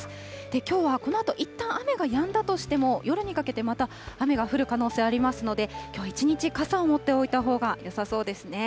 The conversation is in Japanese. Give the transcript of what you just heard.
きょうはこのあといったん雨がやんだとしても、夜にかけてまた雨が降る可能性ありますので、きょう一日、傘を持っておいたほうがよさそうですね。